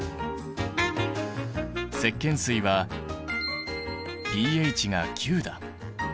石けん水はｐＨが９だ。